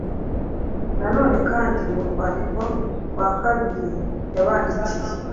Na none kandi mu rwandiko rwa kabiri yabandikiye,